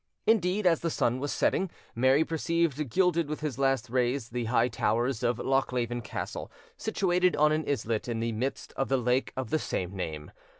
Indeed, as the sun was setting, Mary perceived gilded with his last rays the high towers of Lochleven Castle, situated on an islet in the midst of the lake of the same name.